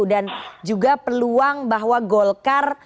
dan juga peluang bahwa golkar